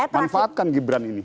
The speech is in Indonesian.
manfaatkan gibran ini